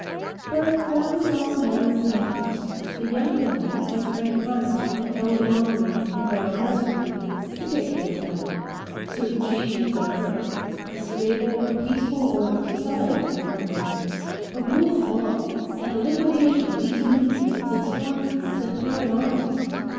But that was all a matter of tactics; the younger men, like Frank Cardon and Elliot Mongery and Ralph Prestonby, could take care of that. Certain changes would occur: A stable and peaceful order of society, for one thing. A rule of law, and the liquidation of these goon gangs and storm troops and private armies.